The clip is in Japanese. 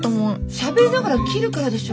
しゃべりながら切るからでしょ。